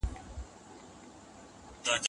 د اختر تحفه